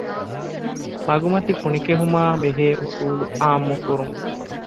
މަގުމަތި ކުނިކެހުމާއި ބެހޭ އުޞޫލު ޢާއްމުކުރުން.